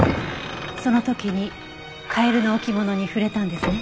その時にカエルの置物に触れたんですね。